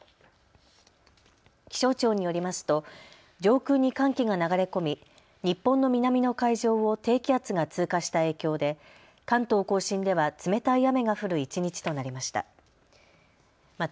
気象庁によりますと上空に寒気が流れ込み日本の南の海上を低気圧が通過した影響で関東甲信では冷たい雨が降る一日となりました。